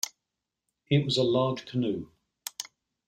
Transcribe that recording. It was a large canoe.